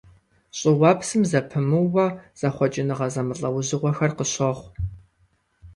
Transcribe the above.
ЩӀыуэпсым зэпымыууэ зэхъукӀэныгъэ зэмылӀэужьыгъуэхэр къыщохъу.